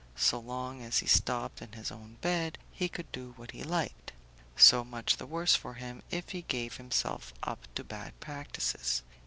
So long as he stopped in his own bed, he could do what he liked; so much the worse for him if he gave himself up to bad practices.